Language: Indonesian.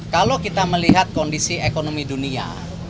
kalau kita melihat kondisi ekonomi dunia